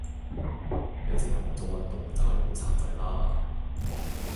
你成日唔做運動真係好孱仔啦